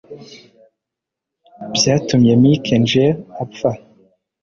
byatumye Mick Engel apfa